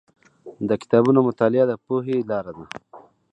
د کتابونو مطالعه د پوهې لاره ده.